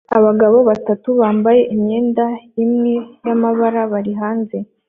Abagabo batatu bambaye imyenda imwe y'amabara bari hanze